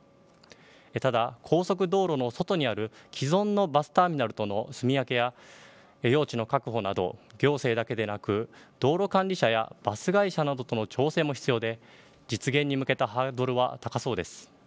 ただ高速道路の外にある既存のバスターミナルとのすみ分けや用地の確保など、行政だけでなく道路管理者やバス会社などとの調整も必要で、実現に向けたハードルは高そうです。